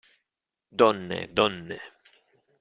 Donne, donne!